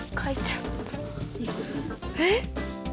えっ？